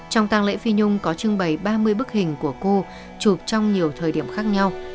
trong tàng lễ phi nhung có trưng bày ba mươi bức hình của cô chụp trong nhiều thời điểm khác nhau